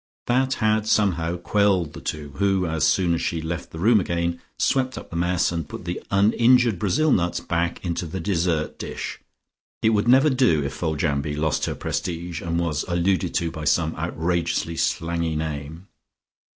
That had somehow quelled the two, who, as soon as she left the room again, swept up the mess, and put the uninjured Brazil nuts back into the dessert dish.... It would never do if Foljambe lost her prestige and was alluded to by some outrageously slangy name.